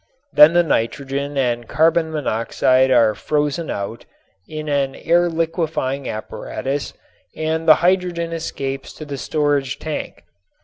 Then the nitrogen and carbon monoxide are frozen out in an air liquefying apparatus and the hydrogen escapes to the storage tank.